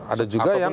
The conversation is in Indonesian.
ada juga yang